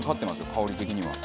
香り的には。